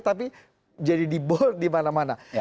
tapi jadi diboleh di mana mana